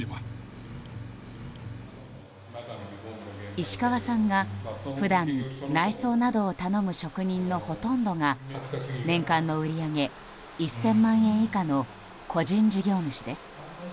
石川さんが普段内装などを頼む職人のほとんどが年間の売り上げ１０００万円以下の個人事業主です。